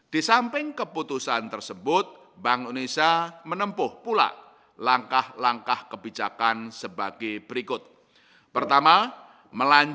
di samping keputusan tersebut bank indonesia menempuh pula